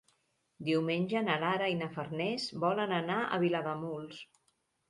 Diumenge na Lara i na Farners volen anar a Vilademuls.